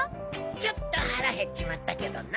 ちょっと腹減っちまったけどな。